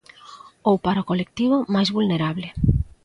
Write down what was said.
Ou para o colectivo máis vulnerable.